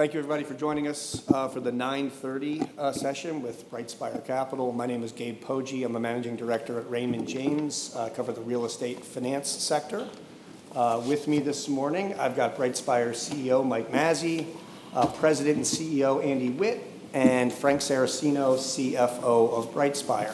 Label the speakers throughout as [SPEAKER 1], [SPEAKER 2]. [SPEAKER 1] Thank you everybody for joining us for the 9:30 A.M. session with BrightSpire Capital. My name is Gabriel Poggi. I'm the managing director at Raymond James. I cover the real estate finance sector. With me this morning, I've got BrightSpire CEO, Michael Mazzei, President and CEO, Andrew Witt, and Frank Saracino, CFO of BrightSpire.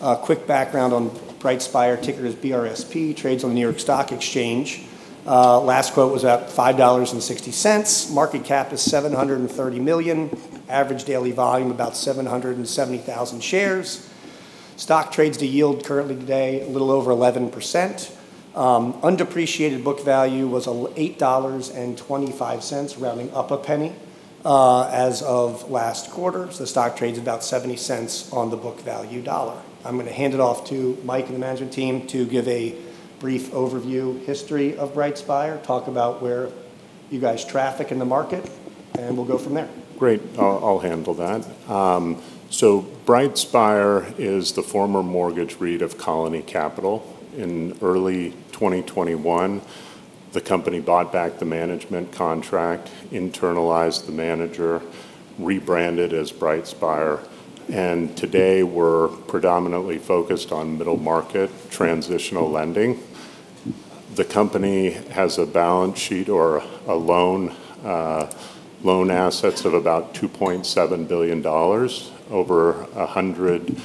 [SPEAKER 1] A quick background on BrightSpire, ticker is BRSP, trades on the New York Stock Exchange. Last quote was at $5.60. Market cap is $730 million. Average daily volume, about 770,000 shares. Stock trades to yield currently today, a little over 11%. Undepreciated book value was $8.25, rounding up $0.01 as of last quarter. The stock trades about $0.70 on the book value dollar. I'm going to hand it off to Mike and the management team to give a brief overview, history of BrightSpire, talk about where you guys traffic in the market, and we'll go from there.
[SPEAKER 2] Great. I'll handle that. BrightSpire is the former mortgage REIT of Colony Capital. In early 2021, the company bought back the management contract, internalized the manager, rebranded as BrightSpire, and today we're predominantly focused on middle market transitional lending. The company has a balance sheet or loan assets of about $2.7 billion over 100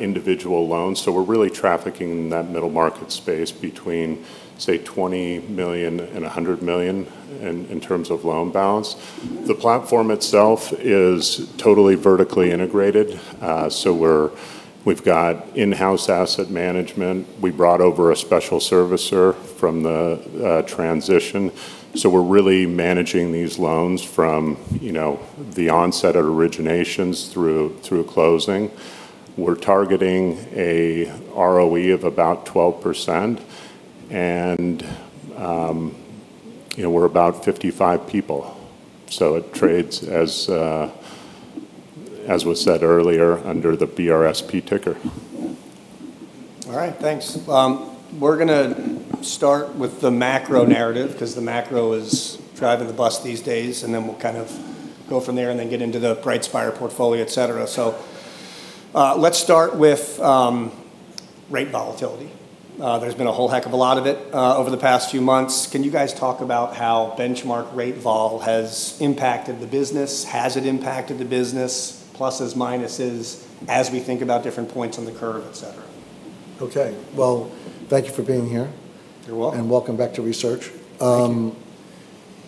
[SPEAKER 2] individual loans. We're really trafficking in that middle market space between, say, $20 million and $100 million in terms of loan balance. The platform itself is totally vertically integrated. We've got in-house asset management. We brought over a special servicer from the transition. We're really managing these loans from the onset at originations through closing. We're targeting a ROE of about 12%, and we're about 55 people. It trades, as was said earlier, under the BRSP ticker.
[SPEAKER 1] All right. Thanks. We're going to start with the macro narrative because the macro is driving the bus these days, and then we'll go from there and then get into the BrightSpire portfolio, et cetera. Let's start with rate volatility. There's been a whole heck of a lot of it over the past few months. Can you guys talk about how benchmark rate vol has impacted the business? Has it impacted the business, pluses, minuses, as we think about different points on the curve, et cetera?
[SPEAKER 3] Okay. Well, thank you for being here.
[SPEAKER 1] You're welcome.
[SPEAKER 3] Welcome back to research.
[SPEAKER 1] Thank you.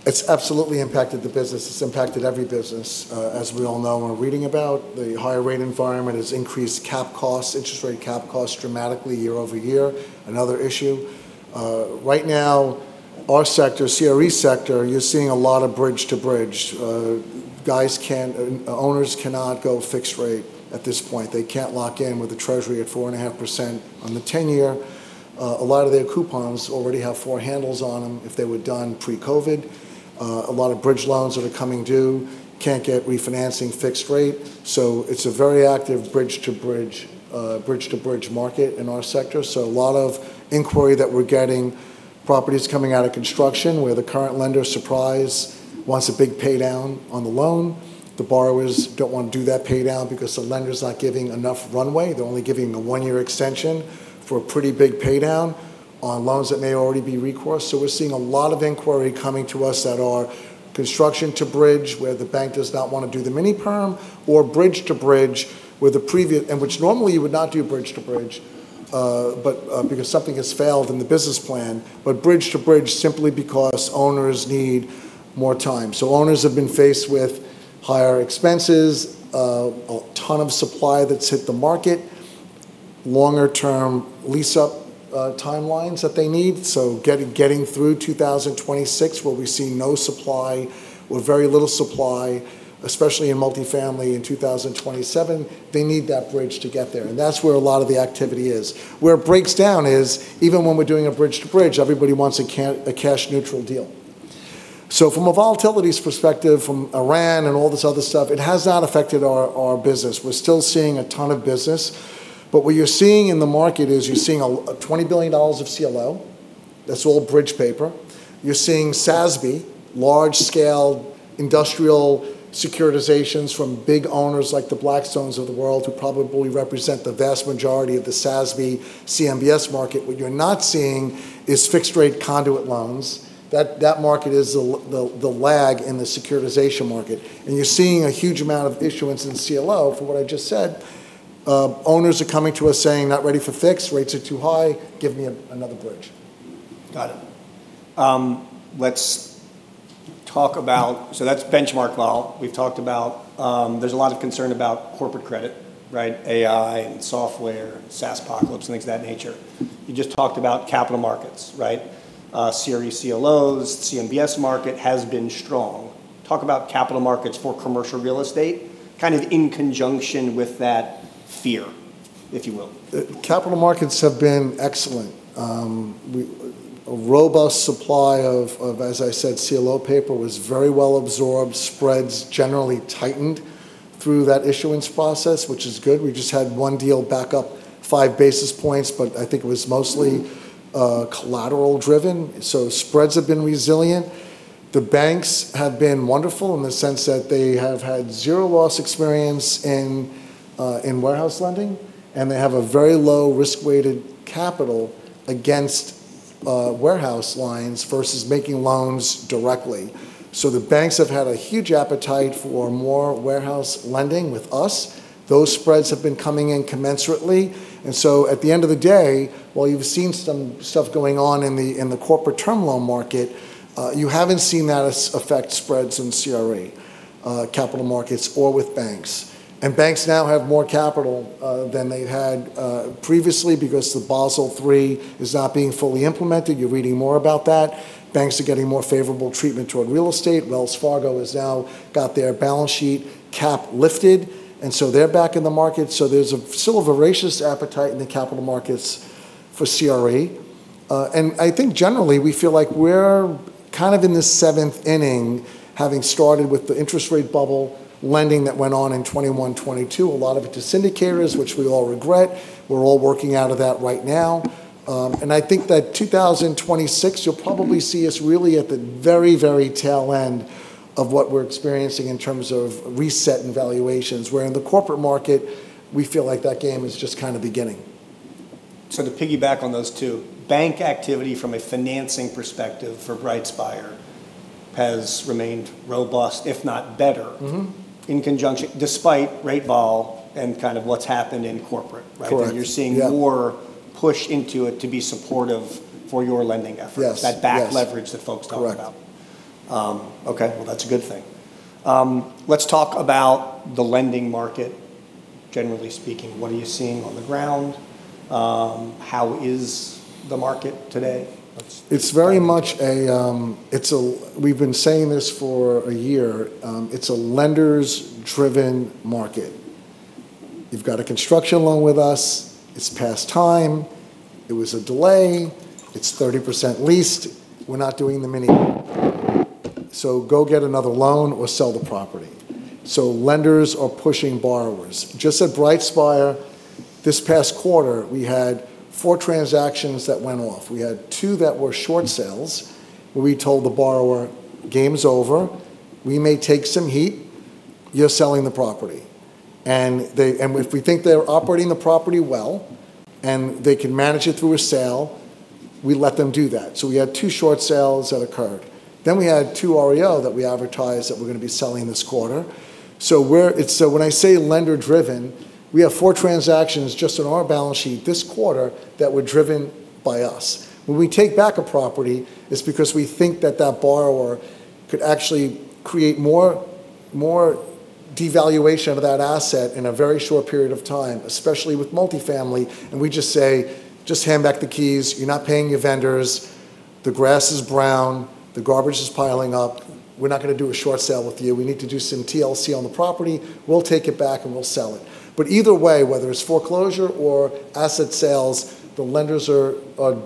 [SPEAKER 3] It's absolutely impacted the business. It's impacted every business as we all know and are reading about. The higher rate environment has increased cap costs, interest rate cap costs dramatically year-over-year. Another issue. Right now, our sector, CRE sector, you're seeing a lot of bridge-to-bridge. Owners cannot go fixed rate at this point. They can't lock in with the Treasury at 4.5% on the 10-year. A lot of their coupons already have four handles on them if they were done pre-COVID. A lot of bridge loans that are coming due can't get refinancing fixed rate. It's a very active bridge-to-bridge market in our sector. A lot of inquiry that we're getting, properties coming out of construction where the current lender, surprise, wants a big paydown on the loan. The borrowers don't want to do that paydown because the lender's not giving enough runway. They're only giving a one-year extension for a pretty big paydown on loans that may already be recourse. We're seeing a lot of inquiry coming to us that are construction to bridge, where the bank does not want to do the mini-perm, or bridge to bridge which normally you would not do bridge to bridge because something has failed in the business plan, but bridge to bridge simply because owners need more time. Owners have been faced with higher expenses, a ton of supply that's hit the market, longer-term lease-up timelines that they need. Getting through 2026 where we see no supply or very little supply, especially in multi-family in 2027, they need that bridge to get there, and that's where a lot of the activity is. Where it breaks down is even when we're doing a bridge to bridge, everybody wants a cash neutral deal. From a volatility's perspective, from Iran and all this other stuff, it has not affected our business. We're still seeing a ton of business. What you're seeing in the market is you're seeing $20 billion of CLO. That's all bridge paper. You're seeing SASB, large-scale industrial securitizations from big owners like the Blackstone of the world who probably represent the vast majority of the SASB CMBS market. What you're not seeing is fixed rate conduit loans. That market is the lag in the securitization market. You're seeing a huge amount of issuance in CLO for what I just said. Owners are coming to us saying, "Not ready for fixed. Rates are too high. Give me another bridge.
[SPEAKER 1] Got it. That's benchmark vol. We've talked about there's a lot of concern about corporate credit. AI and software and SaaSpocalypse and things of that nature. You just talked about capital markets. CRE CLOs, CMBS market has been strong. Talk about capital markets for commercial real estate in conjunction with that fear, if you will.
[SPEAKER 3] The capital markets have been excellent. A robust supply of, as I said, CLO paper was very well-absorbed. Spreads generally tightened through that issuance process, which is good. We just had one deal back up five basis points, but I think it was mostly collateral driven. Spreads have been resilient. The banks have been wonderful in the sense that they have had zero loss experience in warehouse lending, and they have a very low risk-weighted capital against warehouse lines versus making loans directly. The banks have had a huge appetite for more warehouse lending with us. Those spreads have been coming in commensurately. At the end of the day, while you've seen some stuff going on in the corporate term loan market, you haven't seen that affect spreads in CRE capital markets or with banks. Banks now have more capital than they had previously because the Basel III is not being fully implemented. You're reading more about that. Banks are getting more favorable treatment toward real estate. Wells Fargo has now got their balance sheet cap lifted, and so they're back in the market. There's a sort of voracious appetite in the capital markets for CRE. I think generally we feel like we're kind of in this seventh inning, having started with the interest rate bubble lending that went on in 2021, 2022, a lot of it to syndicators, which we all regret. We're all working out of that right now. I think that 2026, you'll probably see us really at the very, very tail end of what we're experiencing in terms of reset and valuations, where in the corporate market, we feel like that game is just kind of beginning.
[SPEAKER 1] To piggyback on those two, bank activity from a financing perspective for BrightSpire has remained robust, if not better-in conjunction, despite rate vol and what's happened in corporate, right?
[SPEAKER 3] Correct. Yeah.
[SPEAKER 1] You're seeing more push into it to be supportive for your lending efforts.
[SPEAKER 3] Yes.
[SPEAKER 1] That back leverage that folks talk about.
[SPEAKER 3] Correct.
[SPEAKER 1] Okay. Well, that's a good thing. Let's talk about the lending market, generally speaking. What are you seeing on the ground? How is the market today?
[SPEAKER 3] We've been saying this for a year. It's a lenders driven market. You've got a construction loan with us. It's past time. It was a delay. It's 30% leased. We're not doing the mini so go get another loan or sell the property. Lenders are pushing borrowers. Just at BrightSpire this past quarter, we had four transactions that went off. We had two that were short sales, where we told the borrower, "Game's over. You're selling the property." And if we think they're operating the property well, and they can manage it through a sale, we let them do that. We had two short sales that occurred. We had two REO that we advertised that we're going to be selling this quarter. When I say lender driven, we have four transactions just on our balance sheet this quarter that were driven by us. When we take back a property, it's because we think that that borrower could actually create more devaluation of that asset in a very short period of time, especially with multifamily, and we just say, "Just hand back the keys. You're not paying your vendors. The grass is brown, the garbage is piling up. We're not going to do a short sale with you. We need to do some TLC on the property. We'll take it back, and we'll sell it." Either way, whether it's foreclosure or asset sales, the lenders are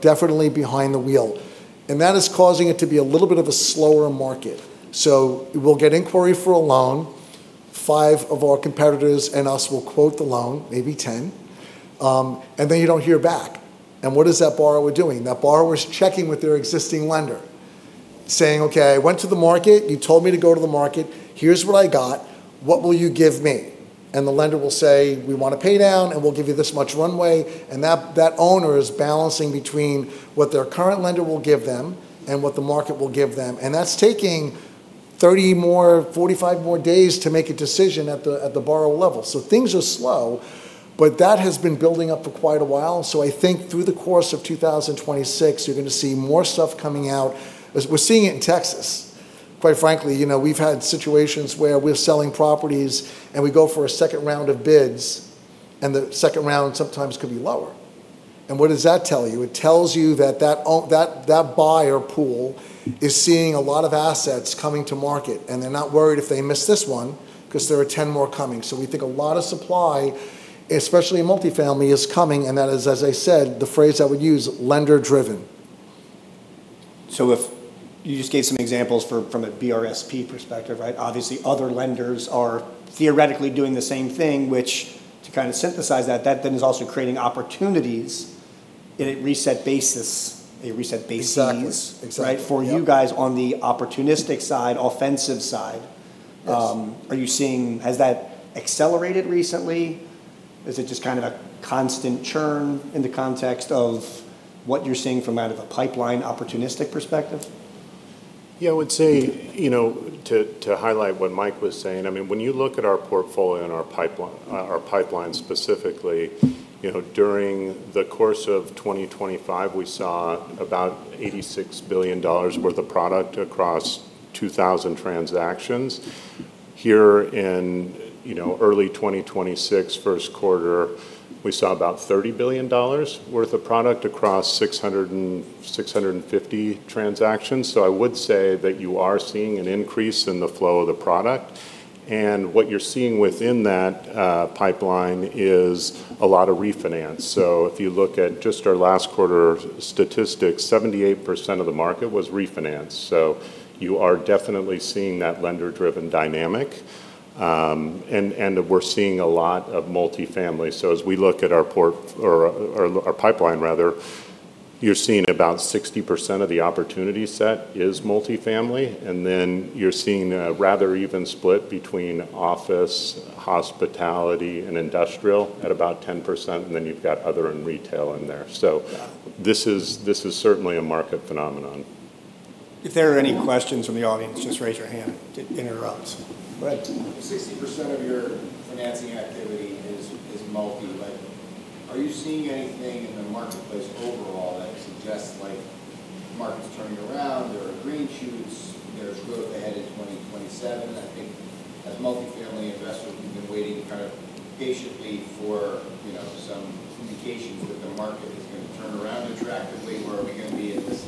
[SPEAKER 3] definitely behind the wheel. That is causing it to be a little bit of a slower market. We'll get inquiry for a loan. Five of our competitors and us will quote the loan, maybe 10. You don't hear back. What is that borrower doing? That borrower's checking with their existing lender saying, "Okay, I went to the market. You told me to go to the market. Here's what I got. What will you give me?" The lender will say, "We want a pay down, and we'll give you this much runway." That owner is balancing between what their current lender will give them and what the market will give them. That's taking 30 more, 45 more days to make a decision at the borrower level. Things are slow, but that has been building up for quite a while. I think through the course of 2026, you're going to see more stuff coming out as we're seeing it in Texas. Quite frankly, we've had situations where we're selling properties and we go for a second round of bids, and the second round sometimes could be lower. What does that tell you? It tells you that that buyer pool is seeing a lot of assets coming to market, and they're not worried if they miss this one because there are 10 more coming. We think a lot of supply, especially in multifamily, is coming, and that is, as I said, the phrase I would use, lender driven.
[SPEAKER 1] You just gave some examples from a BRSP perspective, right? Obviously, other lenders are theoretically doing the same thing, which to kind of synthesize that then is also creating opportunities in a reset basis.
[SPEAKER 3] Exactly.
[SPEAKER 1] Right? For you guys on the opportunistic side, offensive side.
[SPEAKER 3] Yes
[SPEAKER 1] Has that accelerated recently? Is it just kind of a constant churn in the context of what you're seeing from out of a pipeline opportunistic perspective?
[SPEAKER 2] Yeah, I would say to highlight what Mike was saying, when you look at our portfolio and our pipeline specifically, during the course of 2025, we saw about $86 billion worth of product across 2,000 transactions. Here in early 2026, first quarter, we saw about $30 billion worth of product across 650 transactions. I would say that you are seeing an increase in the flow of the product, and what you're seeing within that pipeline is a lot of refinance. If you look at just our last quarter statistics, 78% of the market was refinance. You are definitely seeing that lender-driven dynamic. We're seeing a lot of multifamily. As we look at our pipeline, you're seeing about 60% of the opportunity set is multifamily, and then you're seeing a rather even split between office, hospitality, and industrial at about 10%, and then you've got other and retail in there. This is certainly a market phenomenon.
[SPEAKER 3] If there are any questions from the audience, just raise your hand to interrupt. Go ahead.
[SPEAKER 4] 60% of your financing activity is multi, but are you seeing anything in the marketplace overall that suggests markets turning around or green shoots, there's growth ahead in 2027? I think as multifamily investors, we've been waiting patiently for some indication that the market is going to turn around attractively, or are we going to be in this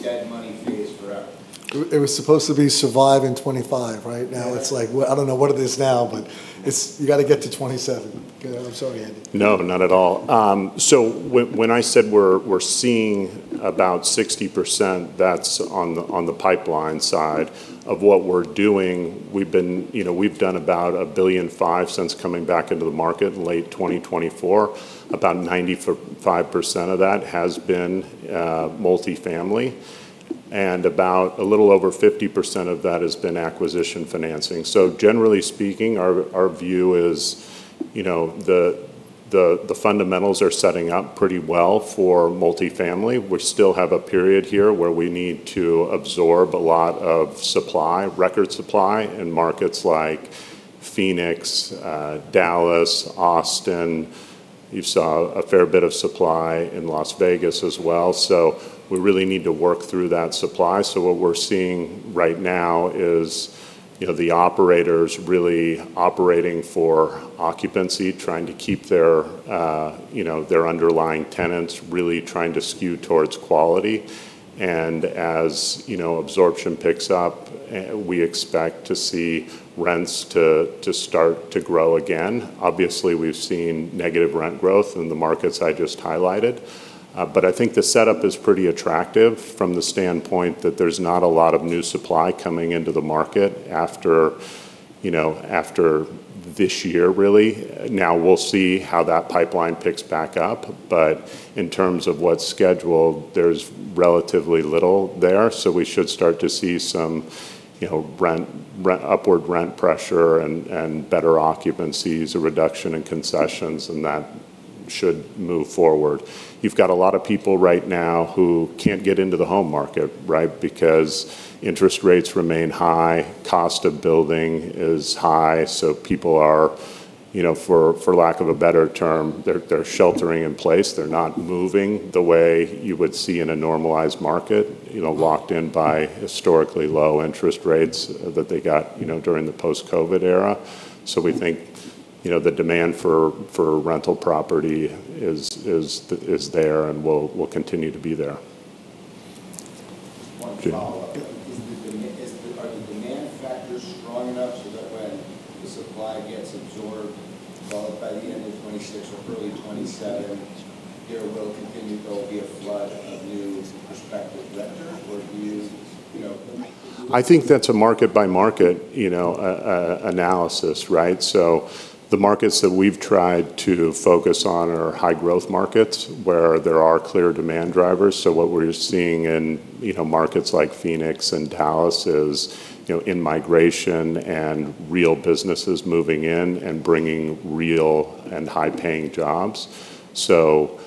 [SPEAKER 4] dead money phase forever?
[SPEAKER 3] It was supposed to be survive in 2025, right? Now it's like, I don't know what it is now, but you got to get to 2027. Go ahead. I'm sorry, Andy.
[SPEAKER 2] No, not at all. When I said we're seeing about 60%, that's on the pipeline side of what we're doing. We've done about $1.5 billion since coming back into the market in late 2024. About 95% of that has been multifamily, and about a little over 50% of that has been acquisition financing. Generally speaking, our view is the fundamentals are setting up pretty well for multifamily. We still have a period here where we need to absorb a lot of supply, record supply in markets like Phoenix, Dallas, Austin. You saw a fair bit of supply in Las Vegas as well. We really need to work through that supply. What we're seeing right now is the operators really operating for occupancy, trying to keep their underlying tenants, really trying to skew towards quality. As absorption picks up, we expect to see rents to start to grow again. Obviously, we've seen negative rent growth in the markets I just highlighted. I think the setup is pretty attractive from the standpoint that there's not a lot of new supply coming into the market after this year, really. Now we'll see how that pipeline picks back up. In terms of what's scheduled, there's relatively little there, so we should start to see some upward rent pressure and better occupancies, a reduction in concessions, and that should move forward. You've got a lot of people right now who can't get into the home market because interest rates remain high, cost of building is high, so people are, for lack of a better term, they're sheltering in place. They're not moving the way you would see in a normalized market, locked in by historically low interest rates that they got during the post-COVID era. We think the demand for rental property is there and will continue to be there.
[SPEAKER 4] One follow-up.
[SPEAKER 2] Sure.
[SPEAKER 4] Are the demand factors strong enough so that when the supply gets absorbed by the end of 2026 or early 2027, there will be a flood of new prospective renters or users?
[SPEAKER 2] I think that's a market-by-market analysis. The markets that we've tried to focus on are high growth markets where there are clear demand drivers. What we're seeing in markets like Phoenix and Dallas is in-migration and real businesses moving in and bringing real and high-paying jobs. It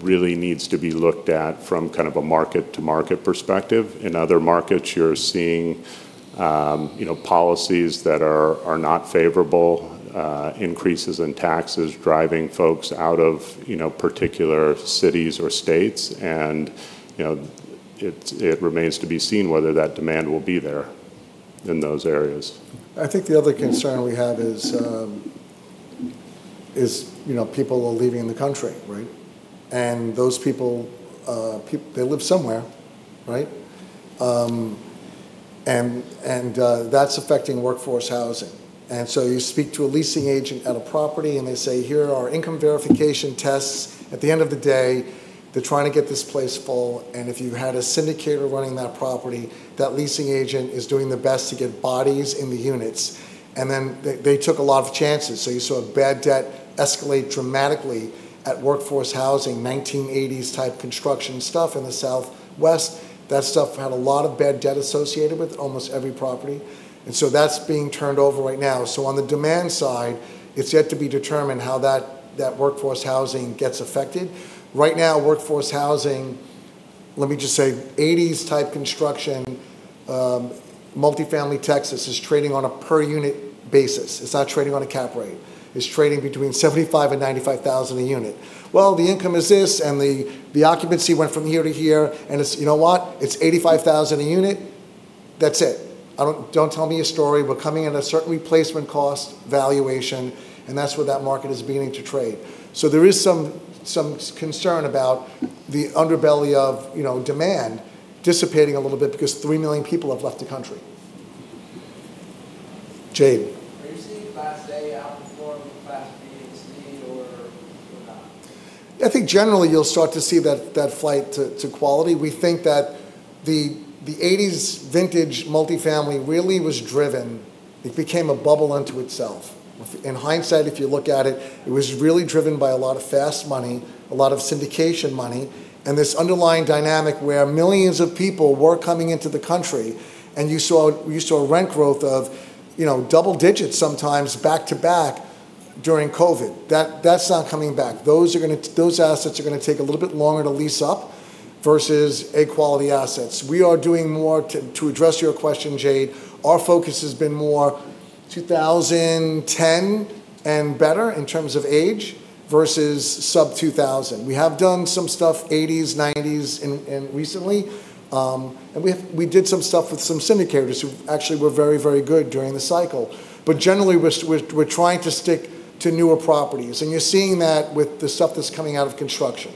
[SPEAKER 2] really needs to be looked at from a market-to-market perspective. In other markets, you're seeing policies that are not favorable, increases in taxes driving folks out of particular cities or states, and it remains to be seen whether that demand will be there in those areas.
[SPEAKER 3] I think the other concern we have is people are leaving the country. Those people, they live somewhere. That's affecting workforce housing. You speak to a leasing agent at a property, and they say, "Here are our income verification tests." At the end of the day, they're trying to get this place full, and if you had a syndicator running that property, that leasing agent is doing their best to get bodies in the units. They took a lot of chances. You saw bad debt escalate dramatically at workforce housing, 1980s type construction stuff in the Southwest. That stuff had a lot of bad debt associated with almost every property. That's being turned over right now. On the demand side, it's yet to be determined how that workforce housing gets affected. Right now, workforce housing, let me just say '80s type construction, multifamily Texas is trading on a per unit basis. It's not trading on a cap rate. It's trading between $75,000 and $95,000 a unit. Well, the income is this, and the occupancy went from here to here, and you know what? It's $85,000 a unit. That's it. Don't tell me a story. We're coming at a certain replacement cost valuation, and that's where that market is beginning to trade. There is some concern about the underbelly of demand dissipating a little bit because 3 million people have left the country. Jade
[SPEAKER 4] class A outperforming class B and C or not?
[SPEAKER 3] I think generally you'll start to see that flight to quality. We think that the '80s vintage multi-family really was driven. It became a bubble unto itself. In hindsight, if you look at it was really driven by a lot of fast money, a lot of syndication money, and this underlying dynamic where millions of people were coming into the country, and you saw rent growth of double digits sometimes back to back during COVID. That's not coming back. Those assets are going to take a little bit longer to lease up versus A quality assets. We are doing more, to address your question, Jade, our focus has been more 2010 and better in terms of age versus sub-2000. We have done some stuff '80s, '90s, and recently. We did some stuff with some syndicators who actually were very good during the cycle. Generally, we're trying to stick to newer properties, and you're seeing that with the stuff that's coming out of construction.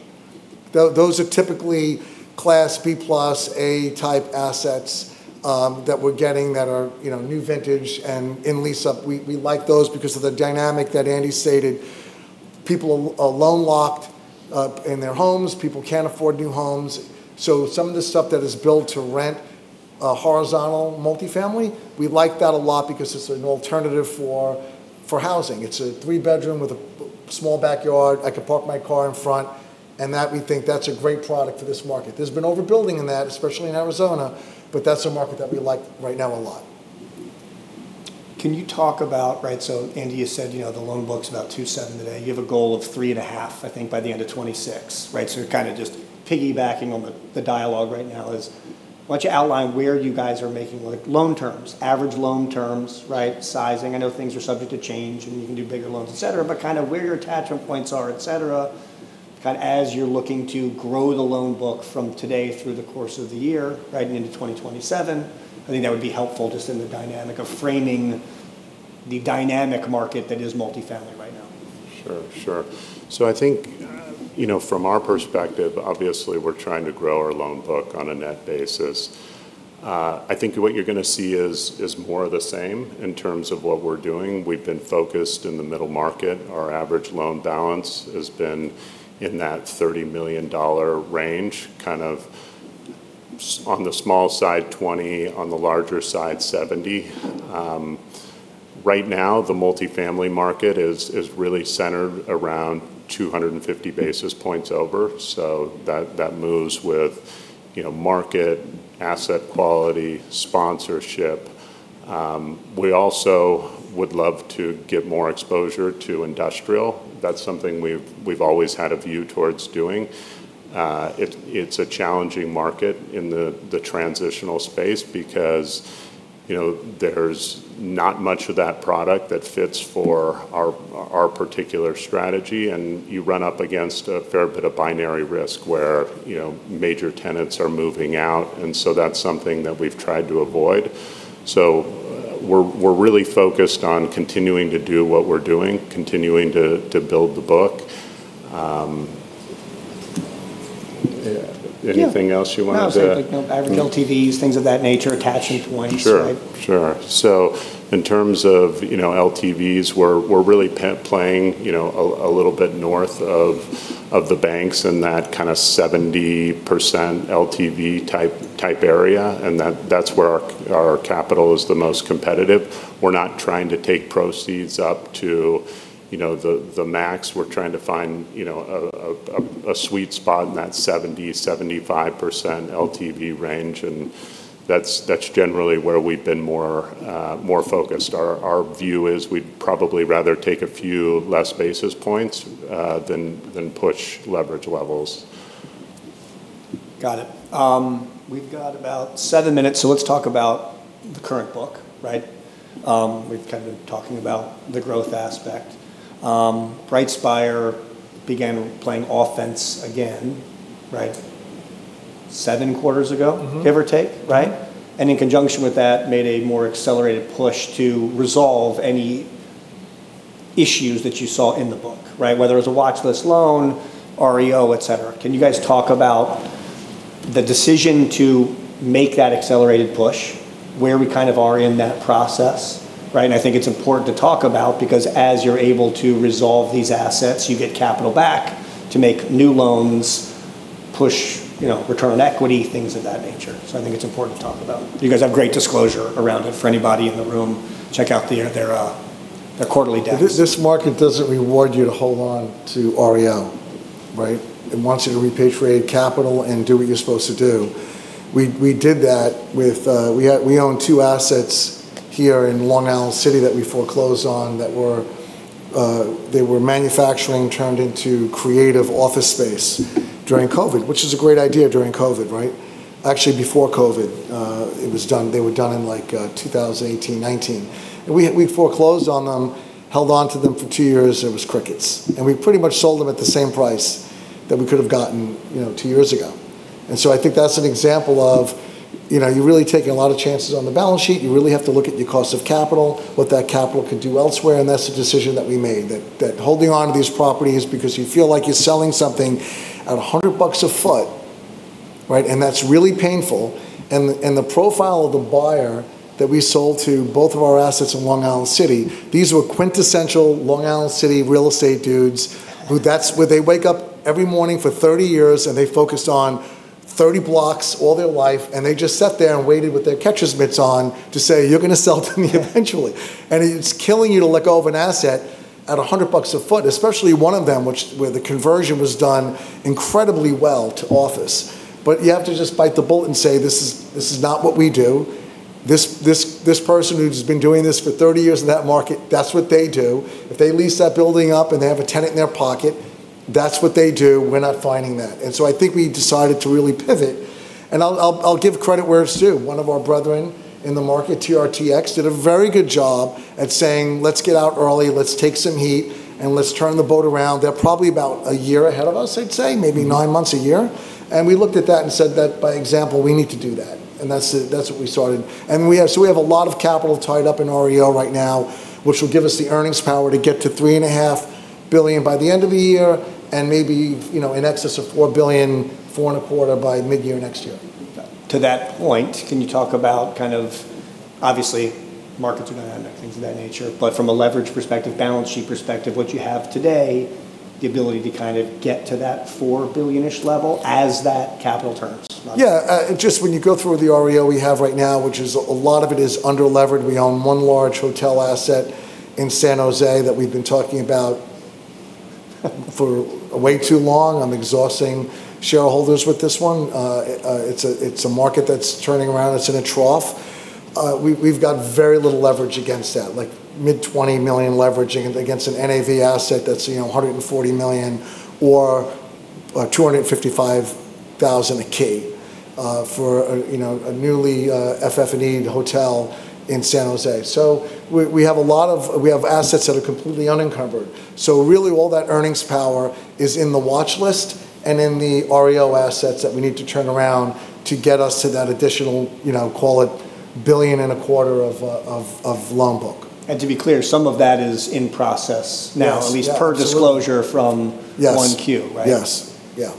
[SPEAKER 3] Those are typically class B+, A type assets that we're getting that are new vintage and in lease-up. We like those because of the dynamic that Andy stated. People are loan-locked up in their homes. People can't afford new homes. Some of the stuff that is built to rent, horizontal multi-family, we like that a lot because it's an alternative for housing. It's a three-bedroom with a small backyard. I could park my car in front, and that we think that's a great product for this market. There's been overbuilding in that, especially in Arizona, but that's a market that we like right now a lot.
[SPEAKER 1] Can you talk about, so Andy, you said the loan book's about $2.7 today. You have a goal of $3.5, I think, by the end of 2026, right? Just piggybacking on the dialogue right now is why don't you outline where you guys are making loan terms, average loan terms, sizing. I know things are subject to change, and you can do bigger loans, et cetera, but where your attachment points are, et cetera, as you're looking to grow the loan book from today through the course of the year into 2027. I think that would be helpful just in the dynamic of framing the dynamic market that is multi-family right now.
[SPEAKER 2] Sure. I think from our perspective, obviously, we're trying to grow our loan book on a net basis. I think what you're going to see is more of the same in terms of what we're doing. We've been focused in the middle market. Our average loan balance has been in that $30 million range, on the small side $20 million, on the larger side $70 million. Right now, the multi-family market is really centered around 250 basis points over, so that moves with market, asset quality, sponsorship. We also would love to get more exposure to industrial. That's something we've always had a view towards doing. It's a challenging market in the transitional space because there's not much of that product that fits for our particular strategy, and you run up against a fair bit of binary risk where major tenants are moving out. That's something that we've tried to avoid. We're really focused on continuing to do what we're doing, continuing to build the book. Anything else you wanted to?
[SPEAKER 1] No. I was thinking average LTVs, things of that nature, attachment points.
[SPEAKER 2] Sure. In terms of LTVs, we're really playing a little bit north of the banks in that 70% LTV type area, and that's where our capital is the most competitive. We're not trying to take proceeds up to the max. We're trying to find a sweet spot in that 70%-75% LTV range, and that's generally where we've been more focused. Our view is we'd probably rather take a few less basis points than push leverage levels.
[SPEAKER 1] Got it. We've got about seven minutes, so let's talk about the current book. We've been talking about the growth aspect. BrightSpire began playing offense again seven quarters ago. give or take. In conjunction with that, made a more accelerated push to resolve any issues that you saw in the book, whether it was a watchlist loan, REO, et cetera. Can you guys talk about the decision to make that accelerated push, where we are in that process? I think it's important to talk about because as you're able to resolve these assets, you get capital back to make new loans, push return on equity, things of that nature. I think it's important to talk about. You guys have great disclosure around it. For anybody in the room, check out their quarterly decks.
[SPEAKER 3] This market doesn't reward you to hold on to REO. It wants you to repatriate capital and do what you're supposed to do. We own two assets here in Long Island City that we foreclosed on that were manufacturing turned into creative office space during COVID. Which is a great idea during COVID, right? Actually, before COVID, it was done. They were done in 2018, 2019. We foreclosed on them, held onto them for two years, it was crickets. We pretty much sold them at the same price that we could have gotten two years ago. I think that's an example of you're really taking a lot of chances on the balance sheet. You really have to look at your cost of capital, what that capital could do elsewhere, and that's the decision that we made. That holding onto these properties because you feel like you're selling something at $100 a foot, right? That's really painful. The profile of the buyer that we sold to both of our assets in Long Island City, these were quintessential Long Island City real estate dudes who that's where they wake up every morning for 30 years, and they focused on 30 blocks all their life, and they just sat there and waited with their catcher's mitts on to say, "You're going to sell to me eventually.
[SPEAKER 1] Yeah.
[SPEAKER 3] It's killing you to let go of an asset at $100 a foot, especially one of them where the conversion was done incredibly well to office. You have to just bite the bullet and say, "This is not what we do. This person who's been doing this for 30 years in that market, that's what they do. If they lease that building up and they have a tenant in their pocket, that's what they do. We're not finding that." I think we decided to really pivot, and I'll give credit where it's due. One of our brethren in the market, TRTX, did a very good job at saying, "Let's get out early, let's take some heat, and let's turn the boat around." They're probably about a year ahead of us, I'd say. Maybe nine months, a year. We looked at that and said that by example, we need to do that, and that's what we started. We have a lot of capital tied up in REO right now, which will give us the earnings power to get to $3.5 billion by the end of the year, and maybe in excess of $4 billion, $4.25 billion by mid-year next year.
[SPEAKER 1] To that point, can you talk about kind of obviously market dynamic, things of that nature, but from a leverage perspective, balance sheet perspective, what you have today, the ability to kind of get to that $4 billion-ish level as that capital turns?
[SPEAKER 3] Yeah. Just when you go through the REO we have right now, which a lot of it is under-leveraged. We own one large hotel asset in San Jose that we've been talking about for way too long. I'm exhausting shareholders with this one. It's a market that's turning around. It's in a trough. We've got very little leverage against that. Mid $20 million leveraging against an NAV asset that's $140 million or $255,000 a key for a newly FF&E'd hotel in San Jose. We have assets that are completely unencumbered. Really all that earnings power is in the watch list and in the REO assets that we need to turn around to get us to that additional call it billion and a quarter of loan book.
[SPEAKER 1] To be clear, some of that is in process now.
[SPEAKER 3] Yes.
[SPEAKER 1] At least per disclosure from.
[SPEAKER 3] Yes
[SPEAKER 1] one Q, right?
[SPEAKER 3] Yes. Yeah.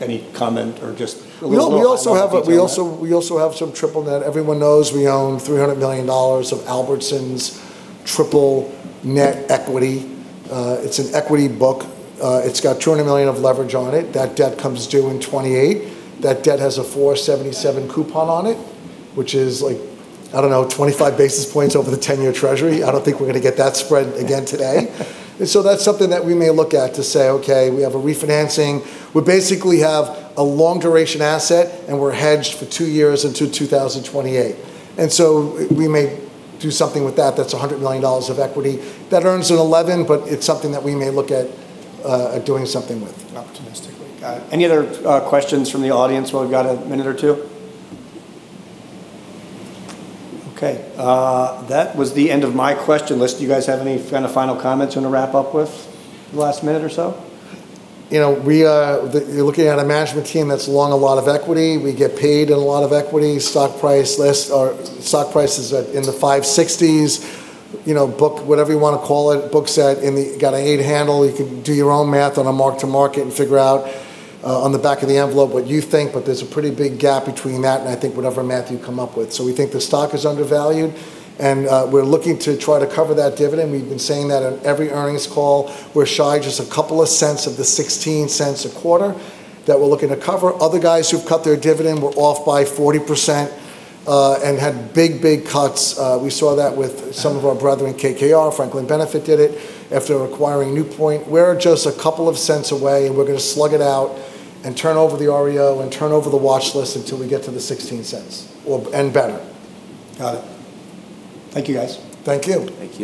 [SPEAKER 1] Any comment or just-?
[SPEAKER 3] We also have some triple net. Everyone knows we own $300 million of Albertsons triple net equity. It's an equity book. It's got $200 million of leverage on it. That debt comes due in 2028. That debt has a 477 coupon on it, which is like, I don't know, 25 basis points over the 10-year Treasury. I don't think we're going to get that spread again today. That's something that we may look at to say, "Okay, we have a refinancing." We basically have a long duration asset, and we're hedged for two years until 2028. We may do something with that that's $100 million of equity. That earns an 11%, but it's something that we may look at doing something with.
[SPEAKER 1] Opportunistically. Got it. Any other questions from the audience while we've got a minute or two? Okay. That was the end of my question list. Do you guys have any kind of final comments you want to wrap up with the last minute or so?
[SPEAKER 3] You're looking at a management team that's long a lot of equity. We get paid in a lot of equity. Stock price is at in the $5.60s. Book whatever you want to call it, book set in the got an $8 handle. You can do your own math on a mark to market and figure out on the back of the envelope what you think, but there's a pretty big gap between that and I think whatever math you come up with. We think the stock is undervalued, and we're looking to try to cover that dividend. We've been saying that on every earnings call. We're shy just a couple of cents of the $0.16 a quarter that we're looking to cover. Other guys who've cut their dividend were off by 40%, and had big cuts. We saw that with some of our brethren, KKR, Franklin BSP Realty Trust did it after acquiring NewPoint. We're just a couple of cents away, and we're going to slug it out and turn over the REO and turn over the watch list until we get to the $0.16 and better.
[SPEAKER 1] Got it. Thank you, guys.
[SPEAKER 3] Thank you.
[SPEAKER 2] Thank you.